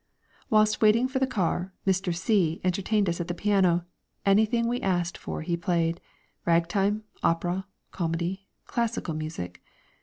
Whilst waiting for the car Mr. C entertained us at the piano; anything we asked for he played rag time, opera, comedy, classical music.